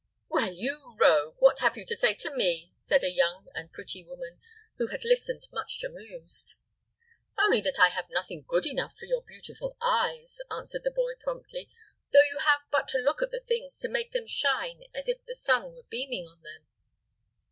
"Well, you rogue, what have you to say to me?" said a young and pretty woman, who had listened, much amused. "Only that I have nothing good enough for your beautiful eyes," answered the boy, promptly; "though you have but to look at the things, to make them shine as if the sun was beaming on them."